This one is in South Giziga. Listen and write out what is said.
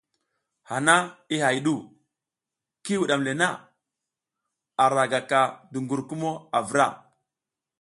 Hana i hay ɗu, ki wuɗam le, ara gaka duƞgur kumo a vra.